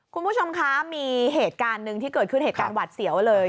คุณผู้ชมคะมีเหตุการณ์หนึ่งที่เกิดขึ้นเหตุการณ์หวัดเสียวเลย